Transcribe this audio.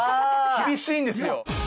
厳しいんですよ。